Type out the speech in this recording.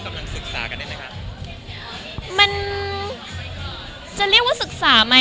มันคิดว่าจะเป็นรายการหรือไม่มี